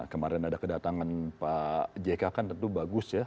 kemarin ada kedatangan pak jk kan tentu bagus ya